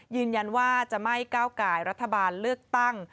ยืนยันว่าจะไม่ก้าวกายรัฐบาลเลือกตั้ง